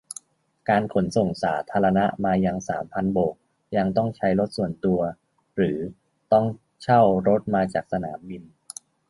การขนส่งสาธารณะมายังสามพันโบกยังต้องใช้รถส่วนตัว หรือ ต้องเช่ารถมาจากสนามบิน